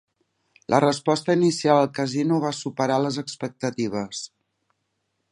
La resposta inicial al casino va superar les expectatives.